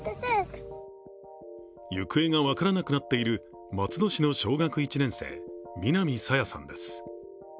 行方が分からなくなっている松戸市の小学１年生南朝芽さんです